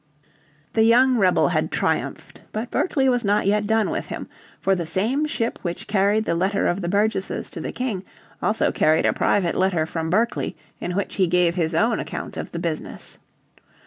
The young rebel had triumphed. But Berkeley was not yet done with him, for the same ship which carried the letter of the Burgesses to the King also carried a private letter from Berkeley in which he gave his own account of the business.